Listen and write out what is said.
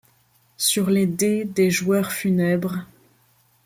Sur les dés des jdueurs funèbres